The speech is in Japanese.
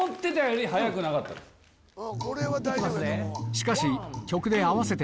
しかし